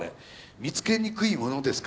「見つけにくいものですか？」